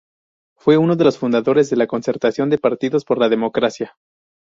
Fue uno de los fundadores de la Concertación de Partidos por la Democracia.